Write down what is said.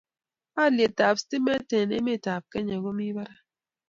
Haliet ab stimet en' emet ab Kenya komie barak